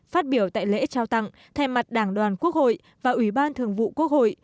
phát biểu tại lễ trao tặng thay mặt đảng đoàn quốc hội và ủy ban thường vụ quốc hội